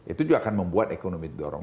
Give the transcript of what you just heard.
itu juga akan membuat ekonomi didorong